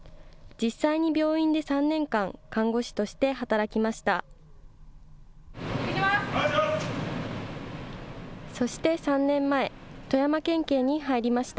実際に病院で３年間、看護師として働きました。